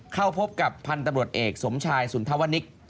เข้าพบกับพันธุ์ตำรวจเอกสมชายสุนทวนิก